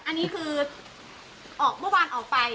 อันนี้คือออกเมื่อวานออกไป